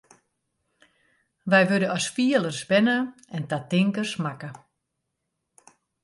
Wy wurde as fielers berne en ta tinkers makke.